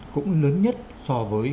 cũng lớn nhất so với